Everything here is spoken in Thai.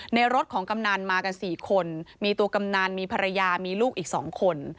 ในรถของกำนันมากัน๔คนมีตัวกำนันมีภรรยามีลูกอีก๒คน